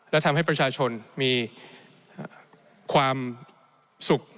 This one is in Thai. และทำให้ประชาชนมีความสุข